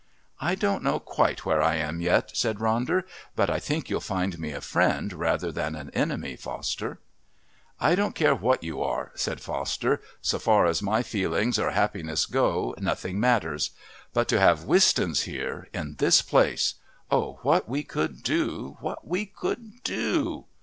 "I don't know quite where I am yet," said Ronder, "but I think you'll find me a friend rather than an enemy, Foster." "I don't care what you are," said Foster. "So far as my feelings or happiness go, nothing matters. But to have Wistons here in this place.... Oh, what we could do! What we could do!"